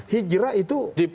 hijrah itu transformasi